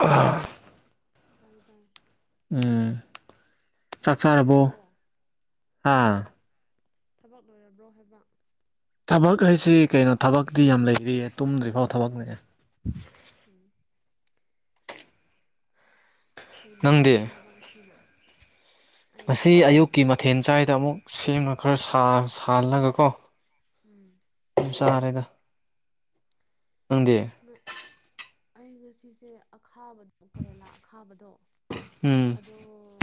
ꯑꯣ ꯇꯥꯔꯦ ꯇꯥꯔꯦ ꯎꯝ ꯆꯥꯛ ꯊꯕꯛ ꯆꯥꯔꯕꯣ ꯂꯣꯏꯔꯕꯣ ꯍꯨꯝ ꯑꯥ ꯊꯕꯛ ꯂꯣꯏꯔꯕ꯭ꯔꯣ ꯍꯥꯏꯕ ꯊꯕꯛ ꯍꯥꯏꯁꯤ ꯀꯩꯅꯣ ꯊꯕꯛꯇꯤ ꯌꯥꯝ ꯂꯩꯔꯤꯌꯦ ꯇꯨꯝꯗ꯭ꯔꯤꯐꯥꯎ ꯊꯕꯛꯅꯦ ꯎꯝ ꯀꯩ ꯃꯊꯦꯜ ꯅꯪꯗꯤ ꯆꯥꯕ ꯉꯁꯤꯅ ꯑꯩꯔꯣ ꯉꯁꯤ ꯑꯌꯨꯛꯀꯤ ꯃꯊꯦꯜ ꯆꯥꯏꯗ ꯑꯃꯨꯛ ꯁꯦꯝꯃꯥ ꯈꯔ ꯁꯥ ꯁꯥꯍꯜꯂꯒꯀꯣ ꯎꯝ ꯆꯥꯔꯦꯗ ꯅꯪꯗꯤ ꯅꯣꯏꯠ ꯑꯩ ꯉꯁꯤꯁꯦ ꯑꯈꯥꯕ ꯀꯔꯦꯂꯥ ꯑꯈꯥꯕꯗꯣ ꯎꯝ ꯑꯗꯣ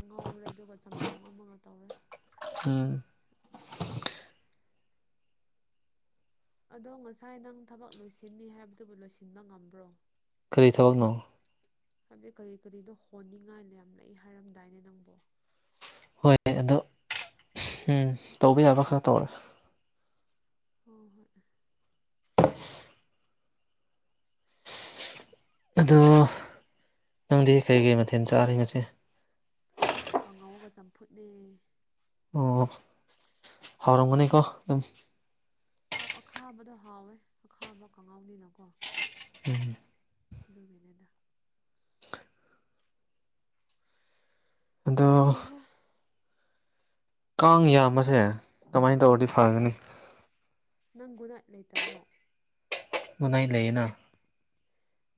ꯉꯧꯔꯦ ꯑꯗꯨꯒ ꯆꯝꯊꯣꯡ ꯑꯃꯒ ꯇꯧꯔꯦ ꯎꯝ [inaudible] ꯑꯗꯣ ꯉꯁꯥꯏ ꯅꯪ ꯊꯕꯛ ꯂꯣꯏꯁꯤꯟꯅꯤ ꯍꯥꯏꯕꯗꯨꯕꯨ ꯂꯣꯏꯁꯤꯟꯕ ꯉꯝꯕ꯭ꯔꯣ ꯀꯔꯤ ꯊꯕꯛꯅꯣ ꯍꯥꯏꯕꯗꯤ ꯀꯔꯤ ꯀꯔꯤꯗꯣ ꯍꯣꯟꯅꯤꯡꯉꯥꯏ ꯂꯩ ꯌꯥꯝ ꯂꯩ ꯍꯥꯏꯔꯝꯗꯥꯏꯅꯦ ꯅꯪꯕꯣ ꯍꯣꯏ ꯑꯗꯣ ꯎꯝ ꯇꯧꯕ ꯌꯥꯕ ꯈꯔ ꯇꯧꯔꯦ ꯍꯣ ꯍꯣꯏ ꯑꯗꯣ ꯅꯪꯗꯤ ꯀꯔꯤ ꯀꯔꯤ ꯃꯊꯦꯜ ꯆꯥꯔꯦ ꯉꯁꯤ ꯀꯥꯡꯉꯧꯒ ꯆꯝꯐꯨꯠꯅꯦ ꯑꯣ ꯍꯥꯎꯔꯝꯒꯅꯤꯀꯣ ꯑꯣ ꯑꯈꯥꯕꯗꯣ ꯍꯥꯎꯋꯦ ꯑꯈꯥꯕ ꯀꯥꯡꯉꯧꯅꯤꯅꯀꯣ ꯎꯝ ꯑꯗꯨꯒꯤꯅꯦꯗ ꯑꯗꯣ ꯍꯩꯍꯥ ꯀꯥꯡ ꯌꯥꯝꯕꯁꯦ ꯑꯗꯨꯃꯥꯏꯅ ꯎꯝ ꯇꯧꯔꯗꯤ ꯐꯒꯅꯤ ꯅꯪ ꯒꯨꯠ ꯅꯥꯏꯠ ꯂꯩꯇꯕ꯭ꯔꯣ ꯒꯨꯠ ꯅꯥꯏꯠ ꯂꯩꯌꯦꯅ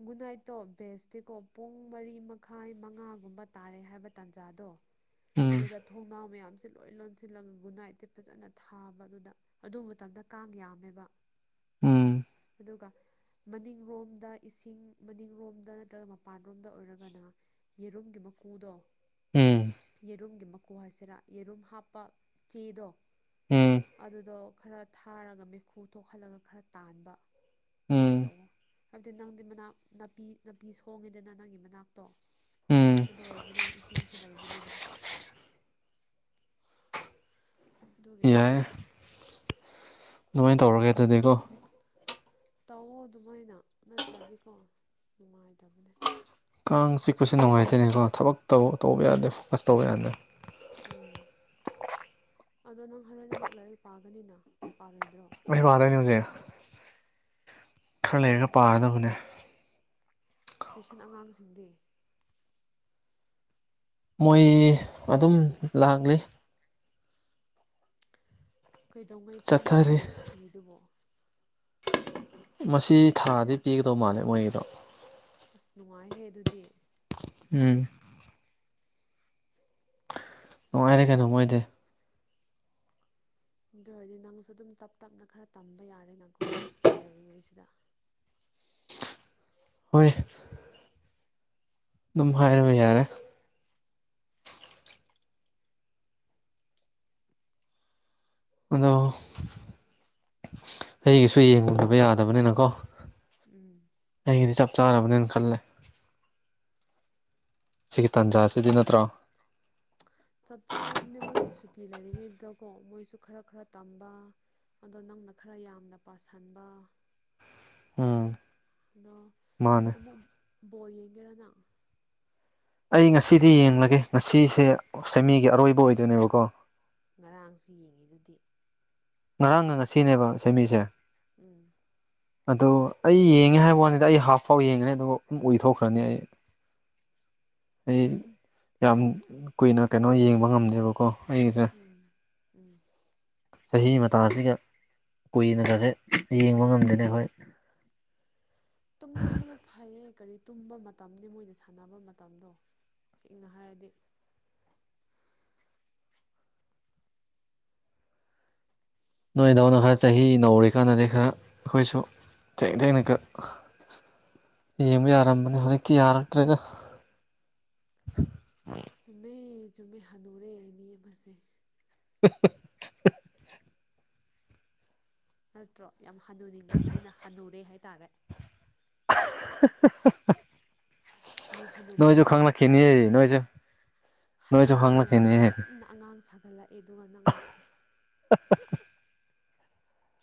ꯒꯨꯠ ꯅꯥꯏꯠꯇꯣ ꯕꯦꯁꯇꯤꯀꯣ ꯄꯨꯡ ꯃꯔꯤ ꯃꯈꯥꯏ ꯃꯉꯥꯒꯨꯝꯕ ꯇꯥꯔꯦ ꯍꯥꯏꯕ ꯇꯥꯟꯖꯥꯗꯣ ꯎꯝ ꯑꯗꯨꯗ ꯊꯣꯡꯅꯥꯎ ꯃꯌꯥꯝꯁꯤ ꯂꯣꯏ ꯂꯣꯟꯁꯤꯜꯂꯒ ꯒꯨꯅꯥꯏꯠꯇꯤ ꯐꯖꯅ ꯊꯥꯕ ꯑꯗꯨꯗ ꯑꯗꯨ ꯃꯇꯝꯗ ꯀꯥꯡ ꯌꯥꯝꯃꯦꯕ ꯎꯝ ꯑꯗꯨꯒ ꯃꯅꯤꯡꯂꯣꯝꯗ ꯏꯁꯤꯡ ꯃꯅꯤꯡꯔꯣꯝꯗ ꯅꯠꯇ꯭ꯔꯒ ꯃꯄꯥꯟꯂꯣꯝꯗ ꯑꯣꯏꯔꯒꯅ ꯌꯦꯔꯨꯝꯒꯤ ꯃꯀꯨꯗꯣ ꯎꯝ ꯌꯦꯔꯨꯝꯒꯤ ꯃꯀꯨ ꯍꯥꯏꯁꯤꯔꯥ ꯌꯦꯔꯨꯝ ꯍꯥꯞꯄ ꯆꯦꯗꯣ ꯎꯝ ꯑꯗꯨꯗꯣ ꯈꯔ ꯊꯥꯔꯒ ꯃꯩꯈꯨ ꯊꯣꯛꯍꯜꯂꯒ ꯈꯔ ꯇꯥꯟꯕ ꯑꯗꯨꯃꯥꯏ ꯎꯝ ꯇꯧꯋꯣ ꯑꯗꯨ ꯅꯪꯗꯤ ꯃꯅꯥꯛ ꯅꯥꯄꯤ ꯅꯥꯄꯤ ꯁꯣꯡꯉꯦꯗꯅ ꯅꯪꯒꯤ ꯃꯅꯥꯛꯇꯣ ꯎꯝ ꯑꯗꯨ ꯑꯣꯏꯕꯅꯤꯅ ꯏꯁꯤꯡꯁꯨ ꯂꯩꯕꯅꯤꯅ [inaudible] ꯑꯗꯨꯒꯤꯅꯤꯗ ꯌꯥꯏ ꯑꯗꯨꯃꯥꯏꯅ ꯇꯧꯔꯒꯦ ꯑꯗꯨꯗꯤꯀꯣ ꯇꯧꯋꯣ ꯑꯗꯨꯃꯥꯏꯅ ꯅꯠꯇ꯭ꯔꯗꯤꯀꯣ ꯅꯨꯡꯉꯥꯏꯇꯕꯅꯦ ꯀꯥꯡ ꯆꯤꯛꯄꯁꯦ ꯅꯨꯡꯉꯥꯏꯇꯦꯅꯦꯀꯣ ꯊꯕꯛ ꯇꯧꯕ ꯇꯧꯕ ꯌꯥꯗꯦꯕ ꯑꯁ ꯇꯧꯕ ꯌꯥꯗꯦꯕ ꯎꯝ ꯑꯗꯣ ꯅꯪ ꯍꯣꯔꯦꯟ ꯑꯃꯨꯛ ꯂꯥꯏꯔꯤꯛ ꯄꯥꯒꯅꯤꯅ ꯄꯥꯔꯣꯏꯗ꯭ꯔꯣ ꯍꯣꯏ ꯄꯥꯔ ꯌꯦꯡꯖꯤꯔ ꯈꯔ ꯎꯝ ꯂꯩꯔꯒ ꯄꯥꯔꯗꯕꯅꯦ ꯇ꯭ꯨꯋꯏꯁꯟ ꯑꯉꯥꯡꯁꯤꯡꯗꯤ ꯃꯣꯏ ꯑꯗꯨꯝ ꯂꯥꯛꯂꯤ ꯀꯩꯗꯧꯉꯩ ꯐꯥꯎꯅꯣ ꯆꯠꯊꯔꯤ ꯃꯣꯏꯒꯤ ꯁꯨꯇꯤꯗꯨꯕꯣ ꯃꯁꯤ ꯊꯥꯗꯗꯩ ꯄꯤꯒꯗꯧ ꯃꯥꯜꯂꯦ ꯃꯣꯏꯒꯤꯗꯣ ꯑꯁ ꯅꯨꯡꯉꯥꯏꯍꯦ ꯑꯗꯨꯗꯤ ꯎꯝ ꯅꯨꯡꯉꯥꯏꯔꯦ ꯀꯩꯅꯣ ꯃꯣꯏꯗꯤ ꯑꯗꯨ ꯑꯣꯏꯔꯗꯤ ꯅꯪꯁꯨ ꯑꯗꯨꯝ ꯇꯞ ꯇꯞꯅ ꯈꯔ ꯇꯝꯕ ꯌꯥꯔꯦꯅ ꯀꯣ ꯁꯨꯇꯤ ꯂꯩꯔꯤꯉꯩꯁꯤꯗ ꯍꯣꯏ ꯑꯗꯨꯝ ꯍꯥꯏꯔꯕ ꯌꯥꯔꯦ ꯑꯗꯣ ꯑꯩꯒꯤꯁꯨ ꯌꯦꯡꯗꯕ ꯌꯥꯗꯦ ꯌꯥꯕꯅꯤꯅꯀꯣ ꯎꯝ ꯑꯩꯒꯤꯗꯤ ꯆꯞ ꯆꯥꯔꯕꯅꯦꯅ ꯈꯜꯂꯦ ꯁꯤꯒꯤ ꯇꯥꯟꯖꯥꯁꯤꯗꯤ ꯅꯠꯇ꯭ꯔꯣ ꯆꯞ ꯆꯥꯔꯕꯅꯦ ꯃꯣꯏꯒꯤ ꯁꯨꯇꯤ ꯂꯩꯔꯤꯉꯩꯗꯨꯗꯀꯣ ꯃꯣꯏꯁꯨ ꯈꯔ ꯈꯔ ꯇꯝꯕ ꯑꯗꯣ ꯅꯪꯅ ꯈꯔ ꯌꯥꯝꯅ ꯄꯥꯁꯟꯕ ꯎꯝ ꯑꯗꯣ ꯃꯥꯅꯦ ꯑꯃꯨꯛ ꯕꯣꯜ ꯌꯦꯡꯒꯦꯔ ꯅꯪ ꯑꯩ ꯉꯁꯤꯗꯤ ꯌꯦꯡꯂꯒꯦ ꯉꯁꯤꯁꯦ ꯁꯃꯤꯒꯤ ꯑꯔꯣꯏꯕ ꯑꯣꯏꯗꯣꯏꯅꯦꯕꯀꯣ ꯉꯔꯥꯡꯁꯨ ꯌꯦꯡꯉꯤ ꯗꯨꯗꯤ ꯉꯔꯥꯡꯒ ꯉꯁꯤꯅꯦꯕ ꯁꯦꯃꯤꯁꯦ ꯎꯝ ꯑꯗꯨ ꯑꯩ ꯌꯦꯡꯉꯦ ꯍꯥꯏꯕ ꯋꯥꯅꯤꯗ ꯑꯩ ꯍꯥꯐ ꯐꯥꯎ ꯌꯦꯡꯉꯅꯤ ꯑꯗꯨꯒ ꯎꯏꯊꯣꯛꯈ꯭ꯔꯅꯤ ꯑꯩ ꯑꯩ ꯌꯥꯝ ꯀꯨꯏꯅ ꯀꯩꯅꯣ ꯌꯦꯡꯕ ꯉꯝꯗꯦꯕꯀꯣ ꯑꯩꯒꯤꯁꯦ ꯎꯝ ꯎꯝ ꯆꯍꯤ ꯃꯇꯥꯁꯤꯒ ꯁꯤꯌꯥ ꯀꯨꯏꯅꯒꯖꯦ ꯌꯦꯡꯕ ꯉꯝꯗꯦꯗ ꯈꯣꯏ ꯇꯨꯝꯅꯤꯡꯕꯗꯣ ꯐꯩꯌꯦ ꯀꯔꯤ ꯇꯨꯝꯕ ꯃꯇꯝꯅꯤ ꯃꯣꯏꯅ ꯁꯥꯟꯅꯕ ꯃꯇꯝꯗꯣ ꯁꯦꯡꯅ ꯍꯥꯏꯔꯗꯤ ꯅꯣꯏꯗꯧꯅ ꯈꯔ ꯆꯍꯤ ꯅꯧꯔꯤꯀꯥꯟꯗꯗꯤ ꯈꯔ ꯈꯣꯏꯁꯨ ꯊꯦꯡ ꯊꯦꯡꯅ ꯀ ꯌꯦꯡꯕ ꯌꯥꯔꯝꯕꯅꯦ ꯍꯨꯖꯤꯛꯇꯤ ꯌꯥꯔꯛꯇ꯭ꯔꯦꯗ ꯆꯨꯝꯃꯦ ꯆꯨꯝꯃꯦ ꯍꯅꯨꯔꯦ ꯃꯤ ꯑꯃꯁꯦ [unintelligible] ꯅꯠꯇ꯭ꯔꯣ ꯌꯥꯝ ꯍꯟꯅꯨꯅꯤꯡꯉꯝꯕꯅꯤꯅ ꯍꯟꯅꯨꯔꯦ ꯍꯥꯏꯇꯥꯔꯦ [unintelligible] ꯃꯤ ꯍꯅꯨꯕ ꯅꯣꯏꯁꯨ ꯃꯌꯥꯝꯅ ꯈꯪꯂꯛꯈꯤꯅꯤ ꯀꯟꯅ ꯅꯣꯏꯁꯨ ꯅꯣꯏꯁꯨ ꯍꯅꯨꯕ ꯃꯌꯥꯝꯅ ꯈꯪꯂꯛꯈꯤꯅꯤ ꯀꯟꯅ ꯑꯉꯥꯡ ꯁꯥꯒꯠꯂꯛꯑꯦ ꯑꯗꯨꯒ ꯅꯪꯅ [unintelligible]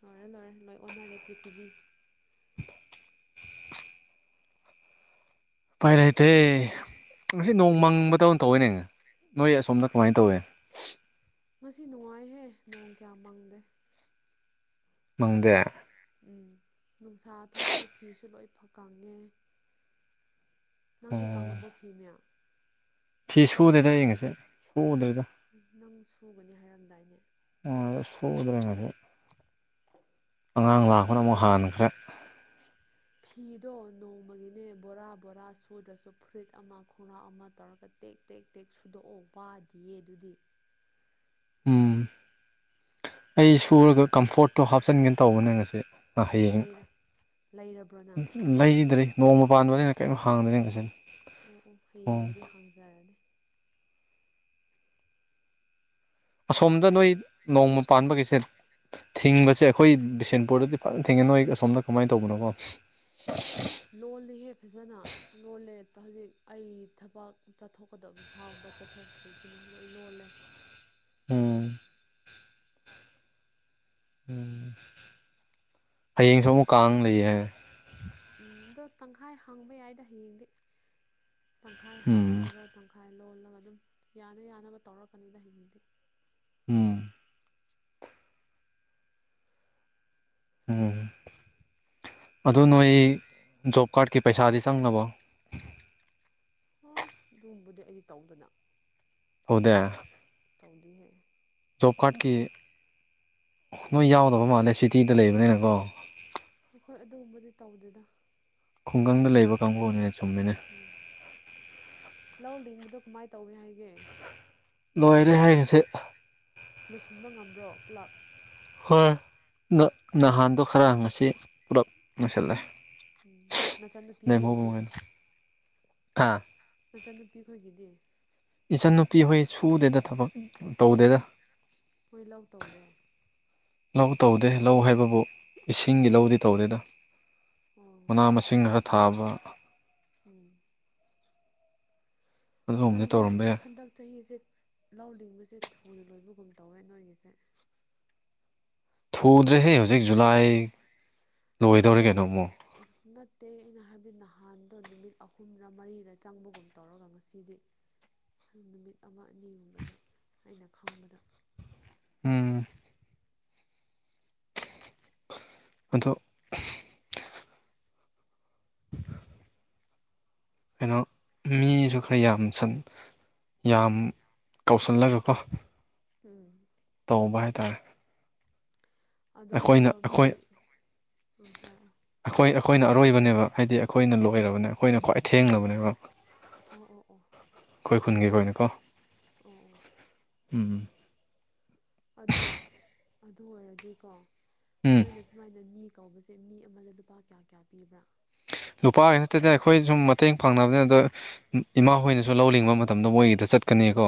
ꯂꯣꯏꯔꯦ ꯂꯣꯏꯔꯦ ꯂꯣꯏ ꯑꯣꯟꯅꯔꯦ ꯄ꯭ꯔꯤꯊꯤꯕꯤ ꯎꯄꯥꯏ ꯂꯩꯇꯦ ꯉꯁꯤ ꯅꯣꯡ ꯃꯪꯕꯗꯧ ꯇꯧꯋꯦꯅꯦ ꯅꯣꯏ ꯑꯁꯣꯝꯗ ꯀꯃꯥꯏ ꯇꯧꯋꯦ ꯉꯁꯤ ꯅꯨꯡꯉꯥꯏꯍꯦ ꯅꯣꯡ ꯀꯌꯥ ꯃꯪꯗꯦ ꯃꯪꯗꯦ ꯎꯝ ꯅꯨꯡꯁꯥ ꯊꯣꯛꯑꯦ ꯐꯤꯁꯨ ꯂꯣꯏ ꯐ ꯀꯪꯉꯦ ꯅꯪꯗꯤ ꯑꯣ ꯀꯥꯡꯉꯕꯣ ꯐꯤ ꯃꯌꯥꯝ ꯐꯤ ꯁꯨꯗꯦꯗ ꯑꯩ ꯉꯁꯤ ꯁꯨꯗ꯭ꯔꯦꯗ ꯅꯪ ꯁꯨꯒꯅꯤ ꯍꯥꯏꯔꯝꯗꯥꯏꯅꯦ ꯑ ꯁꯨꯗ꯭ꯔꯦ ꯉꯁꯤ ꯑꯉꯥꯡ ꯂꯥꯛꯄꯅ ꯑꯃꯨꯛ ꯍꯥꯟꯈ꯭ꯔꯦ ꯐꯤꯗꯣ ꯅꯣꯡꯃꯒꯤꯅꯦ ꯕꯣꯔꯥ ꯕꯣꯔꯥ ꯁꯨꯗ꯭ꯔꯁꯨ ꯐꯨꯔꯤꯠ ꯑꯃ ꯈꯣꯡꯔꯥꯎ ꯑꯃ ꯇꯧꯔꯒ ꯇꯦꯛ ꯇꯦꯛ ꯇꯦꯛ ꯁꯨꯗꯣꯛꯑꯣ ꯋꯥꯗꯤꯌꯦ ꯑꯗꯨꯗꯤ ꯎꯝ ꯑꯩ ꯁꯨꯔꯒ ꯀꯝꯐꯣꯔꯠꯇꯣ ꯍꯥꯞꯆꯤꯟꯒꯦ ꯇꯧꯕꯅꯦ ꯉꯁꯤ ꯑꯥ ꯍꯌꯦꯡ ꯂꯩꯔ ꯂꯩꯔꯕ꯭ꯔꯣ ꯅꯪ ꯎꯝ ꯂꯩꯗ꯭ꯔꯤ ꯅꯣꯡꯃ ꯄꯥꯟꯕꯅꯤꯅ ꯀꯩꯝ ꯍꯥꯡꯗ꯭ꯔꯦ ꯉꯁꯤ ꯑꯣ ꯑꯣ ꯍꯌꯦꯡꯕꯨꯗꯤ ꯍꯥꯡꯖꯔꯅꯤ ꯑꯁꯣꯝꯗ ꯅꯣꯏ ꯅꯣꯡꯃ ꯄꯥꯟꯕ ꯒꯤꯁꯦ ꯊꯤꯡꯕꯁꯦ ꯑꯩꯈꯣꯏ ꯕꯤꯁꯦꯟꯄꯨꯔꯗꯗꯤ ꯐꯖ ꯊꯤꯡꯉꯦ ꯅꯣꯏ ꯑꯁꯣꯝꯗ ꯀꯃꯥꯏ ꯇꯧꯕꯅꯣꯀꯣ ꯂꯣꯜꯂꯤꯍꯦ ꯐꯖꯅ ꯂꯣꯜꯂꯦ ꯇ ꯍꯖꯤꯛ ꯑꯩ ꯊꯕꯛ ꯆꯠꯊꯣꯛꯀꯗꯕ ꯐꯥꯎꯕ ꯆꯠꯊꯣꯛꯇ꯭ꯔꯤꯁꯤꯅꯤ ꯂꯣꯏ ꯂꯣꯜꯂꯦ ꯎꯝ ꯍꯌꯦꯡꯁꯨ ꯑꯃꯨꯛ ꯀꯥꯡ ꯂꯩꯌꯦ ꯍꯥꯏ ꯎꯝ ꯑꯗꯣ ꯇꯪꯈꯥꯏ ꯍꯥꯡꯕ ꯌꯥꯏꯗ ꯍꯌꯦꯡꯗꯤ ꯇꯪꯈꯥꯏ ꯎꯝ ꯍꯥꯡꯉꯒ ꯇꯪꯈꯥꯏ ꯂꯣꯜꯂꯒ ꯑꯗꯨꯝ ꯌꯥꯅ ꯌꯥꯅꯕ ꯇꯧꯔꯛꯀꯅꯤꯗ ꯍꯌꯦꯡꯗꯤ ꯎꯝ ꯎꯝ ꯑꯗꯨ ꯅꯣꯏ ꯖꯣꯞ ꯀꯥꯔꯠꯀꯤ ꯄꯩꯁꯥꯗꯤ ꯆꯪꯂꯕꯣ ꯑꯣ ꯑꯗꯨꯒꯨꯝꯕꯗꯤ ꯑꯩꯗꯤ ꯇꯧꯗꯅ ꯑꯣꯗꯦ ꯇꯧꯗꯤꯍꯦ ꯖꯣꯞ ꯀꯥꯔꯠꯀꯤ ꯅꯣꯏ ꯌꯥꯎꯗꯕ ꯃꯥꯜꯂꯦ ꯁꯤꯇꯤꯗ ꯂꯩꯕꯅꯤꯅꯀꯣ ꯑꯈꯣꯏ ꯑꯗꯨꯒꯨꯝꯕꯗꯤ ꯇꯧꯗꯦꯗ ꯈꯨꯡꯒꯪꯗ ꯂꯩꯕ ꯀꯥꯡꯕꯨꯅꯦ ꯆꯨꯝꯃꯤꯅꯦ ꯎꯝ ꯂꯧ ꯂꯤꯡꯕꯗꯣ ꯀꯃꯥꯏ ꯇꯧꯋꯦ ꯍꯥꯏ ꯂꯣꯏꯔꯦ ꯍꯥꯏ ꯍꯖꯤꯛ ꯂꯣꯏꯁꯤꯟꯕ ꯉꯝꯕ꯭ꯔꯣ ꯄꯨꯂꯞ꯫ ꯍꯣꯏ ꯅ ꯅꯍꯥꯟꯗꯣ ꯈꯔ ꯉꯁꯤ ꯄꯨꯔꯞ ꯂꯣꯏꯁꯥꯜꯂꯦ꯫ ꯎꯝ ꯅꯥꯆꯟ ꯅꯨꯄꯤꯈꯣꯏꯒꯤꯗꯤ꯫ ꯍꯥꯥ꯫ ꯅꯆꯟꯅꯨꯄꯤ ꯈꯣꯏꯒꯤꯗꯤ꯫ ꯏꯆꯟꯅꯨꯄꯤ ꯍꯣꯏ ꯁꯨꯗꯦꯗ ꯊꯕꯛ ꯇꯧꯗꯦꯗ꯫ ꯈꯣꯏ ꯂꯧ ꯇꯧꯗꯦ꯫ ꯂꯧ ꯇꯧꯗꯦ ꯂꯧ ꯍꯥꯏꯕꯕꯨ ꯏꯁꯤꯡꯒꯤ ꯂꯧꯗꯤ ꯇꯧꯗꯦꯗ꯫ ꯑꯣ ꯃꯅꯥ ꯃꯁꯤꯡ ꯈꯔ ꯊꯥꯕ ꯎꯝ꯫ ꯑꯗꯨꯒꯨꯝꯕꯗꯤ ꯀꯩꯅꯣ ꯇꯧꯔꯝꯕ ꯌꯥꯏ ꯍꯟꯗꯛ ꯆꯍꯤꯁꯦ ꯂꯧ ꯂꯤꯡꯕꯁꯦ ꯊꯨꯅ ꯂꯣꯏꯕꯒꯨꯝ ꯇꯧꯋꯦ ꯅꯣꯏꯒꯤꯁꯦ꯫ ꯊꯨꯗ꯭ꯔꯦꯍꯦ ꯍꯧ [inaudible] ꯅꯠꯇꯦ꯫ ꯑ ꯀꯩꯅꯣ ꯑꯃꯨꯛ ꯅꯠꯇꯦ ꯑꯩꯅ ꯍꯥꯏꯕꯗꯤ ꯅꯍꯥꯟꯗꯣ ꯅꯨꯃꯤꯠ ꯑꯍꯨꯝꯔ ꯃꯔꯤꯔ ꯆꯪꯕꯒꯨꯝ ꯇꯧꯔꯒ ꯉꯁꯤꯗꯤ ꯅꯨꯃꯤꯠ ꯑꯃ ꯑꯅꯤꯒꯨꯝꯕꯗ ꯑꯩꯅ ꯈꯪꯕꯗ꯫ ꯎꯝ꯫ ꯑꯗꯣ [inaudible] ꯀꯩꯅꯣ ꯃꯤꯖꯨ ꯈꯔ ꯌꯥꯝ ꯁꯟ ꯌꯥꯝ ꯀꯧꯁꯜꯂꯒꯀꯣ꯫ ꯎꯝ꯫ ꯇꯧꯕ ꯍꯥꯏꯇꯥꯔꯦ꯫ ꯑꯗꯣ ꯑꯩꯈꯣꯏꯅ ꯑꯩꯈꯣꯏ ꯅꯣꯏꯔꯣꯝꯗꯗꯤ ꯎꯝ ꯍꯥꯏꯔꯛꯑꯣ꯫ ꯑꯩꯈꯣꯏ ꯑꯩꯈꯣꯏꯅ ꯑꯔꯣꯏꯕꯅꯦꯕ ꯍꯥꯏꯗꯤ ꯑꯩꯈꯣꯏꯅ ꯂꯣꯏꯔꯕꯅꯦ ꯑꯩꯈꯣꯏꯅ ꯈ꯭ꯋꯥꯏ ꯑꯊꯦꯡꯂꯕꯅꯦꯕ꯫ ꯑꯣ ꯑꯣ ꯑꯣ꯫ ꯑꯩꯈꯣꯏ ꯈꯨꯟꯒꯤ ꯑꯈꯣꯏꯅꯀꯣ꯫ ꯑꯣ ꯑꯣ꯫ ꯎꯝ꯫ ꯑꯗꯣ ꯑꯗꯨ ꯑꯣꯏꯔꯗꯤꯀꯣ ꯎꯝ ꯅꯣꯏꯅꯁ ꯁꯨꯃꯥꯏꯅ ꯃꯤ ꯀꯧꯕꯁꯦ ꯃꯤ ꯑꯃꯗ ꯂꯨꯄꯥ ꯀꯌꯥ-ꯀꯌꯥ ꯄꯤꯕ꯭ꯔꯥ꯫ ꯂꯨꯄꯥꯒꯤ ꯅꯠꯇꯦꯗ ꯑꯩꯈꯣꯏ ꯁꯨꯝ ꯃꯇꯦꯡ ꯄꯥꯡꯅꯕꯅꯤ ꯑꯗꯣ ꯏꯃꯥꯍꯣꯏꯅꯁꯨ ꯂꯧ ꯂꯤꯡꯕ ꯃꯇꯝꯗ ꯃꯣꯏꯒꯤꯗ ꯆꯠꯀꯅꯤꯀꯣ꯫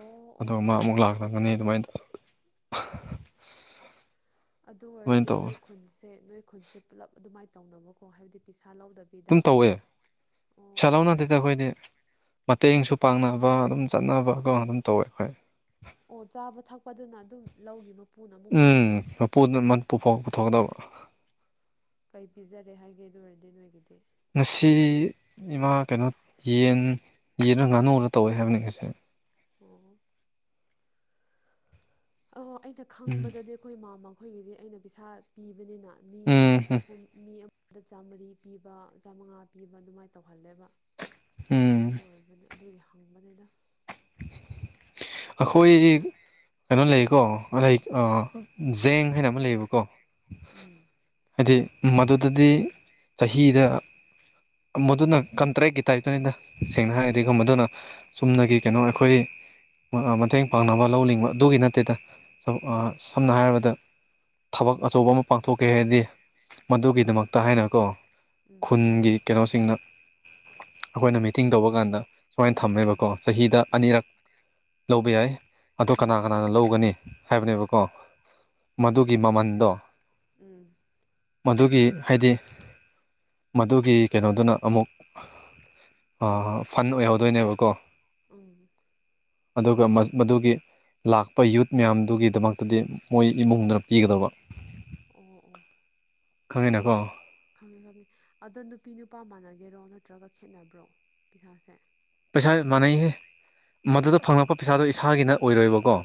ꯑꯣ ꯑꯣ ꯑꯗꯨꯒ ꯃꯥ ꯑꯣ ꯑꯃꯨꯛ ꯂꯥꯛꯂꯝꯒꯅꯤ ꯑꯗꯨꯃꯥꯏꯅ [unintelligible] ꯑꯗꯨ ꯑꯗꯨꯃꯥꯏꯅ ꯑꯣꯏꯔꯗꯤ ꯇꯧꯕꯅꯦ ꯅꯣꯏ ꯈꯨꯟꯁꯦ ꯅꯣꯏ ꯈꯨꯟꯁꯦ ꯄꯨꯜꯂꯞ ꯑꯗꯨꯃꯥꯏꯅ ꯇꯧꯅꯕꯀꯣ ꯍꯥꯏꯕꯗꯤ ꯄꯩꯁꯥ ꯂꯧꯗ ꯑꯗꯨꯝ ꯇꯧꯋꯦ ꯄꯩꯁꯥ ꯂꯧꯅꯗꯦꯗ ꯑꯩꯈꯣꯏꯗꯤ꯫ ꯃꯇꯦꯡꯁꯨ ꯄꯥꯡꯅꯕ ꯑꯗꯨꯝ ꯆꯠꯅꯕꯒ ꯑꯗꯨꯝ ꯇꯧꯋꯦ ꯑꯩꯈꯣꯏ꯫ ꯑꯣ ꯆꯥꯕ ꯊꯛꯄꯗꯨꯅ ꯑꯗꯨꯝ ꯂꯧꯒꯤ ꯃꯞ ꯎꯝ ꯃꯄꯨꯗꯨꯅ ꯃꯟꯄꯨꯐꯧ ꯄꯨꯊꯣꯛꯀꯗꯕ꯫ ꯀꯩ ꯄꯤꯖꯔꯦ ꯍꯥꯏꯒꯦ ꯑꯗꯨ ꯑꯣꯏꯔꯗꯤ ꯅꯣꯏꯒꯤꯗꯤ꯫ ꯉꯁꯤ ꯏꯃꯥ ꯀꯩꯅꯣ ꯌꯦꯟ ꯌꯦꯟꯂ ꯉꯥꯅꯨꯔ ꯇꯧꯋꯦ ꯍꯥꯏꯕꯅꯤ ꯉꯁꯤ꯫ ꯑꯣ꯫ ꯑꯣ ꯑꯩꯅ ꯎꯝ ꯈꯪꯕꯗꯗꯤ ꯑꯩꯈꯣꯏ ꯃꯥꯝꯃ ꯈꯣꯏꯒꯤꯗꯤ ꯑꯩꯅ ꯄꯩꯁꯥ ꯄꯤꯕꯅꯤꯅ ꯃꯤ ꯎꯝ ꯑꯃꯗ ꯎꯝ ꯆꯍꯨꯝ ꯃꯤ ꯑꯃꯗ ꯆꯥꯝꯃꯔꯤ ꯄꯤꯕ ꯆꯥꯝꯃꯉꯥ ꯄꯤꯕ ꯑꯗꯨꯃꯥꯏꯅ ꯇꯧꯍꯜꯂꯦꯕ꯫ ꯎꯝ ꯑꯗꯨ ꯑꯣꯏꯕꯅꯤ ꯑꯗꯨꯒꯤ ꯍꯪꯕꯅꯤꯗ꯫ ꯑꯈꯣꯏꯗꯤ ꯀꯩꯅꯣ ꯂꯩꯀꯣ [inaudible] ꯖꯦꯡ ꯍꯥꯏꯅ ꯑꯃ ꯂꯩꯌꯦꯕꯀꯣ꯫ ꯎꯝ ꯍꯥꯏꯗꯤ ꯃꯗꯨꯗꯗꯤ ꯆꯍꯤꯗ ꯃꯗꯨꯅ ꯀꯟꯇ꯭ꯔꯦꯛꯀꯤ ꯇꯥꯏꯞꯇꯅꯤꯗ ꯁꯦꯡꯅ ꯍꯥꯏꯔꯗꯤ ꯑꯣ ꯃꯗꯨꯅ ꯆꯨꯝꯅꯒꯤ ꯀꯩꯅꯣ ꯑꯩꯈꯣꯏ ꯃꯥ ꯑꯥ ꯃꯇꯦꯡ ꯄꯥꯡꯅꯕ ꯂꯧ ꯂꯤꯡꯕ ꯑꯗꯨꯒꯤ ꯅꯠꯇꯦꯗ ꯎꯝ ꯁꯝꯅ ꯍꯥꯏꯔꯕꯗ ꯊꯕꯛ ꯑꯆꯧꯕ ꯑꯃ ꯄꯥꯡꯊꯣꯛꯀꯦ ꯍꯥꯏꯗꯤ ꯃꯗꯨꯒꯤꯗꯃꯛꯇ ꯍꯥꯏꯅꯀꯣ ꯎꯝ ꯈꯨꯟꯒꯤ ꯀꯩꯅꯣꯁꯤꯡꯅ ꯑꯩꯈꯣꯏꯅ ꯃꯤꯇꯤꯡ ꯇꯧꯕ ꯀꯥꯟꯗ ꯁꯨꯃꯥꯏꯅ ꯎꯝ ꯊꯝꯃꯦꯕꯀꯣ ꯆꯍꯤꯗ ꯎꯝ ꯑꯅꯤꯔꯛ ꯂꯧꯕ ꯌꯥꯏ ꯑꯗꯣ ꯀꯅꯥ ꯎꯝ ꯎꯝ ꯀꯅꯥꯅ ꯂꯧꯒꯅꯤ ꯍꯥꯏꯕꯅꯦꯕꯀꯣ ꯃꯗꯨꯒꯤ ꯃꯃꯟꯗꯣ ꯎꯝ ꯃꯗꯨꯒꯤ ꯍꯥꯏꯗꯤ ꯃꯗꯨꯒꯤ ꯀꯩꯅꯣꯗꯨꯅ ꯑꯃꯨꯛ ꯑꯥ ꯐꯟ ꯑꯣꯏꯍꯧꯗꯣꯏꯅꯦꯕꯀꯣ ꯎꯝ ꯑꯗꯨꯒ ꯃꯥ ꯃꯗꯨꯒꯤ ꯂꯥꯛꯄ ꯌꯨꯠ ꯃꯌꯥꯝꯗꯨꯒꯤꯗꯃꯛꯇꯗꯤ ꯃꯣꯏ ꯏꯃꯨꯡꯗ ꯄꯤꯒꯗꯧꯕ ꯑꯣ ꯈꯪꯉꯦꯅꯀꯣ ꯈꯪꯉꯅꯤ ꯑꯗꯨ ꯅꯨꯄꯤ ꯅꯨꯄꯥ ꯃꯥꯟꯅꯒꯦꯔꯣ ꯅꯠꯇ꯭ꯔꯒ ꯈꯦꯠꯅꯕ꯭ꯔꯣ ꯄꯩꯁꯥꯁꯦ ꯄꯩꯁꯥ ꯃꯥꯟꯅꯩꯍꯦ ꯃꯗꯨꯗ ꯑꯣ ꯐꯪꯂꯛꯄ ꯄꯩꯁꯥꯗꯣ ꯏꯁꯥꯒꯤ ꯅꯠ ꯑꯣꯏꯔꯣꯏꯕꯀꯣ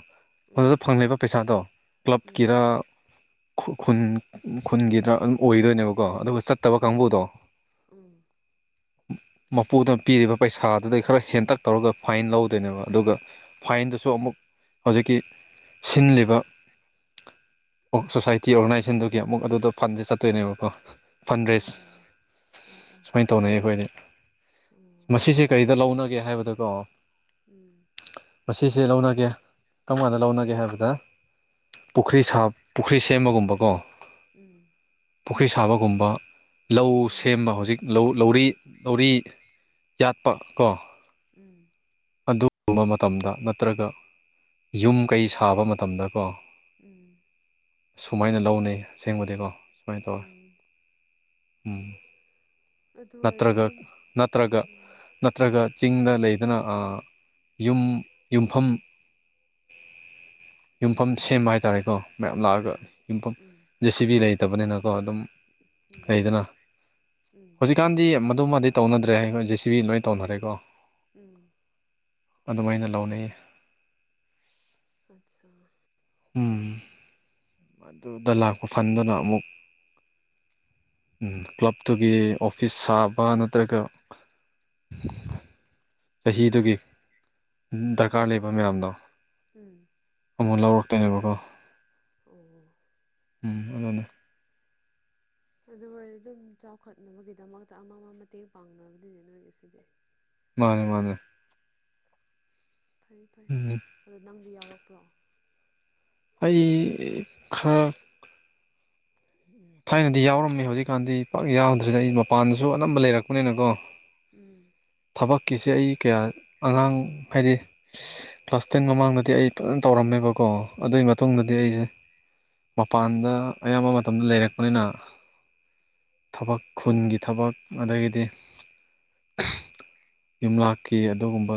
ꯎꯝ ꯃꯗꯨꯗ ꯐꯪꯂꯤꯕ ꯄꯩꯁꯥꯗꯣ ꯎꯝ ꯀ꯭ꯂꯕꯀꯤꯔ ꯈꯨꯟ ꯈꯨꯟ ꯈꯨꯟꯒꯤꯔ ꯑꯣꯏꯗꯣꯏꯅꯦꯕꯀꯣ ꯑꯗꯨꯒ ꯆꯠꯇꯕ ꯑꯣ ꯀꯥꯡꯕꯨꯗꯣ ꯎꯝ ꯃꯄꯨꯗ ꯄꯤꯔꯤꯕ ꯄꯩꯁꯥꯗꯨꯗꯩ ꯈꯔ ꯍꯦꯟꯇꯛ ꯇꯧꯔꯒ ꯐꯥꯏꯟ ꯂꯧꯗꯣꯏꯅꯦꯕ ꯑꯗꯨꯒ ꯐꯥꯏꯟꯗꯨꯁꯨ ꯑꯃꯨꯛ ꯍꯧꯖꯤꯛꯀꯤ ꯁꯤꯜꯂꯤꯕ ꯑꯣ ꯁꯣꯁꯥꯏꯇꯤ ꯑꯣꯔꯒꯅꯥꯏꯖꯦꯁꯟꯗꯨꯒꯤ ꯑꯃꯨꯛ ꯑꯗꯨꯗꯥ ꯐꯟꯖꯦ ꯆꯠꯇꯨꯏꯅꯦꯕꯀꯣ ꯑꯣ ꯐꯟꯗ꯭ꯔꯦꯁ ꯑꯣ ꯑꯣ ꯁꯨꯃꯥꯏꯅ ꯇꯧꯅꯩ ꯑꯩꯈꯣꯏꯗꯤ ꯎꯝ ꯀꯩꯗ ꯂꯧꯅꯒꯦ ꯍꯥꯏꯕꯗꯀꯣ ꯎꯝ ꯃꯁꯤꯁꯦ ꯂꯧꯅꯒꯦ ꯀꯔꯝ ꯀꯥꯟꯗ ꯂꯧꯅꯒꯦ ꯍꯥꯏꯕꯗ ꯄꯨꯈ꯭ꯔꯤ ꯁꯥ ꯄꯨꯈ꯭ꯔꯤ ꯁꯦꯝꯕꯒꯨꯝꯕꯀꯣ ꯄꯨꯈ꯭ꯔꯤ ꯁꯥꯕꯒꯨꯝꯕ ꯂꯧ ꯑꯣ ꯁꯦꯝꯕ ꯍꯧꯖꯤꯛ ꯂꯧ ꯂꯧꯔꯤ ꯂꯧꯔꯤ ꯄꯥ ꯀꯣ ꯎꯝ ꯄꯟꯗꯨꯞ ꯑꯗꯨꯒꯨꯝꯕ ꯃꯇꯝꯗ ꯅꯠꯇ꯭ꯔꯒ ꯌꯨꯝ ꯀꯩ ꯁꯥꯕ ꯃꯇꯝꯗꯀꯣ ꯎꯝ ꯁꯨꯃꯥꯏꯅ ꯂꯧꯅꯩ ꯑꯁꯦꯡꯕꯗꯤꯀꯣ ꯁꯨꯃꯥꯏ ꯇꯧꯋꯤ ꯎꯝ ꯎꯝ ꯑꯗꯨ ꯑꯣꯏꯔꯗꯤ ꯅꯠꯇ꯭ꯔꯒ ꯑꯗꯨꯝ ꯅꯠꯇ꯭ꯔꯒ ꯎꯝ ꯅꯠꯇ꯭ꯔꯒ ꯆꯤꯡꯗ ꯂꯩꯗꯅ ꯑꯥ ꯌꯨꯝ ꯌꯨꯝꯐꯝ [inaudible] ꯌꯨꯝꯐꯝ ꯁꯦꯝꯕ ꯍꯥꯏꯇꯥꯔꯦꯀꯣ ꯃꯌꯥꯝ ꯂꯥꯛꯑꯒ ꯎꯝ ꯌꯨꯝꯐꯝ ꯎꯝ ꯖꯦ ꯁꯤ ꯕꯤ ꯂꯩꯇꯕꯅꯤꯅꯀꯣ ꯑꯗꯨꯝ ꯎꯝ ꯂꯩꯗꯅ ꯎꯝ ꯍꯧꯖꯤꯛꯀꯥꯟꯗꯤ ꯃꯗꯨꯃꯗꯤ ꯇꯧꯅꯗ꯭ꯔꯦ ꯑꯩꯈꯣꯏ ꯖꯦ ꯁꯤ ꯕꯤꯅ ꯂꯣꯏ ꯇꯧꯅꯔꯦꯀꯣ ꯎꯝ ꯑꯗꯨꯃꯥꯏꯅ ꯂꯧꯅꯩꯌꯦ ꯑꯠꯁꯥ ꯎꯝ ꯑꯗꯨꯗ ꯂꯥꯛꯄ ꯐꯟꯗꯨꯅ ꯑꯃꯨꯛ ꯎꯝ ꯀ꯭ꯂꯞꯇꯨꯒꯤ ꯑꯣꯐꯤꯁ ꯁꯥꯕ ꯅꯠꯇ꯭ꯔꯒ ꯆꯍꯤꯗꯨꯒꯤ ꯗꯔꯀꯥꯔ ꯂꯩꯕ ꯃꯌꯥꯝꯗꯣ ꯎꯝ ꯑꯃꯨꯛ ꯂꯧꯔꯛ ꯇꯣꯢꯅꯦꯕꯀꯣ ꯑꯣ ꯎꯝ ꯑꯗꯨꯅ ꯑꯗꯨ ꯑꯣꯏꯔꯗꯤ ꯑꯗꯨꯝ ꯆꯥꯎꯈꯠꯅꯕꯒꯤꯗꯃꯛꯇ ꯑꯃꯃꯝ ꯃꯇꯦꯡ ꯄꯥꯡꯅꯕꯅꯤꯅꯦ ꯅꯣꯏꯒꯤ ꯁꯤꯗꯤ ꯃꯥꯅꯦ ꯃꯥꯅꯦ ꯐꯩ ꯐꯩ ꯎꯝ ꯑꯗꯣ ꯅꯪꯗꯤ ꯌꯥꯎꯔꯛꯄ꯭ꯔꯣ ꯑꯩ ꯈꯔ ꯊꯥꯏꯅꯗꯤ ꯌꯥꯎꯔꯝꯃꯤ ꯍꯧꯖꯤꯛꯀꯥꯟꯗꯤ ꯄꯥꯛ ꯌꯥꯎꯗ꯭ꯔꯦꯗ ꯑꯩ ꯃꯄꯥꯟꯗꯁꯨ ꯑꯅꯝꯕ ꯂꯩꯔꯛꯄꯅꯤꯅꯀꯣ ꯎꯝ ꯊꯕꯛꯀꯤꯁꯦ ꯑꯩ ꯀꯌꯥ ꯑꯉꯥꯡ ꯍꯥꯏꯗꯤ ꯀ꯭ꯂꯥꯁ ꯇꯦꯟ ꯃꯃꯥꯡꯗꯗꯤ ꯑꯩ ꯐꯖꯅ ꯇꯧꯔꯝꯃꯦꯕꯀꯣ ꯑꯗꯨꯏ ꯎꯝ ꯃꯇꯨꯡꯗꯗꯤ ꯑꯩꯖꯦ ꯃꯄꯥꯟꯗ ꯑꯌꯥꯝꯕ ꯃꯇꯝꯗ ꯂꯩꯔꯛꯄꯅꯤꯅ ꯊꯕꯛ ꯈꯨꯟꯒꯤ ꯊꯕꯛ ꯑꯗꯒꯤꯗꯤ ꯌꯨꯝꯂꯛꯀꯤ ꯑꯗꯨꯒꯨꯝꯕ